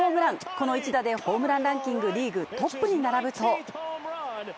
この一打でホームランランキング、リーグトップに並ぶと。